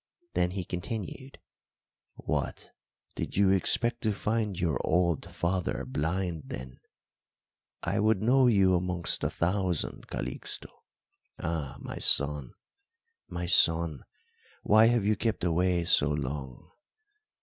Then he continued: "What, did you expect to find your old father blind then? I would know you amongst a thousand, Calixto. Ah, my son, my son, why have you kept away so long?